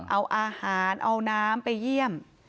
เอาอาหารเอาน้ำไปเยี่ยม